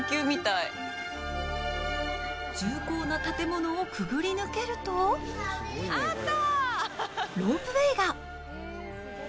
重厚な建物をくぐり抜けるとロープウェイが。